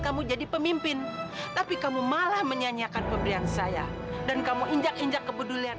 kamu jadi pemimpin tapi kamu malah menyanyikan pembelian saya dan kamu injak injak kepedulian